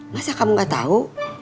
masa kamu gak tau